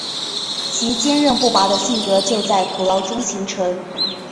其坚忍不拔的性格就在苦牢中形成。